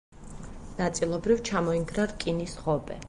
ნაწილობრივ ჩამოინგრა რკინის ღობე.